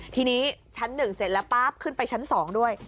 ทีนี้ชั้น๑เสร็จแล้วปั๊บขึ้นไปชั้น๒ด้วย